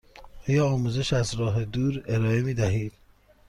آیا آموزش از راه دور ارائه می دهید؟